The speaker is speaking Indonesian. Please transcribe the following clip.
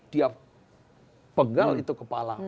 dia penggal itu kepala